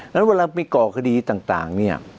แล้วเวลาไปก่อคดีต่าง